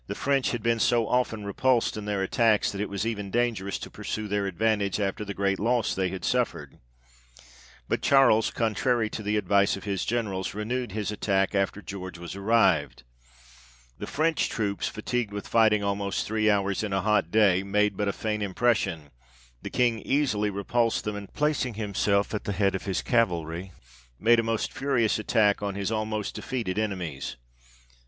French had been so often repulsed in their attacks, that it was even dangerous to pursue their advantage after the great loss they had suffered, but Charles, contrary to the advice of his generals, renewed his attack after George was arrived. The French troops fatigued with fighting almost three hours, in a hot day, made but a faint impression, the King easily repulsed them, and placing himself at the head of his cavalry, made a most furious attack on his almost defeated enemies.